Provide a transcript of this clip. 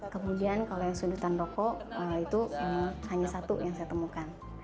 kemudian kalau yang sudutan rokok itu hanya satu yang saya temukan